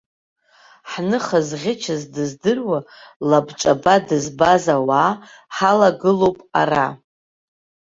Ҳныха зӷьычыз дыздыруа, лабҿаба дызбаз ауаа ҳалагылоуп ара!